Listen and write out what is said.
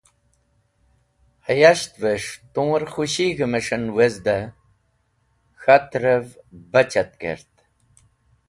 Hayasht’ves̃h tumer khũshig̃h mes̃h en wezde k̃hat’rev bachat kert.